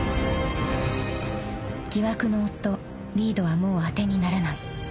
［疑惑の夫リードはもう当てにならない］